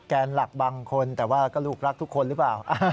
แกนหลักบางคนแต่ว่าก็ลูกรักทุกคนหรือเปล่า